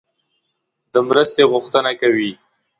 د مرستې غوښتنه کوي.